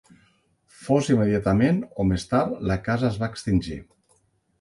Fos immediatament o més tard, la casa es va extingir.